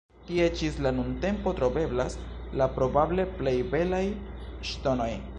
Tie ĝis la nuntempo troveblas la probable plej belaj ŝtonoj.